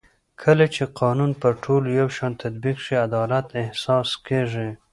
کله چې قانون پر ټولو یو شان تطبیق شي عدالت احساس کېږي